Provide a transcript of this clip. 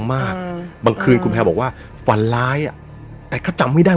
มากอืมบางคืนคุณแพลบอกว่าฝันร้ายอ่ะแต่ก็จำไม่ได้